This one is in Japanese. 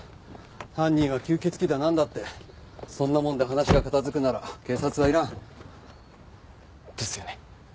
犯人は吸血鬼だなんだってそんなもんで話が片付くなら警察はいらん。ですよね。